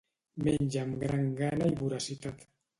Menja amb gran gana i voracitat.